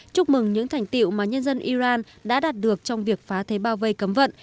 chúc mừng những thành tiệu mà nhân dân iran đã đạt được trong việc phá thế bao vây cấm vận